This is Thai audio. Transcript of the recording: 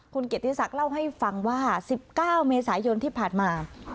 คุณเกียรติศักดิ์เล่าให้ฟังว่า๑๙เมษายนที่ผ่านมา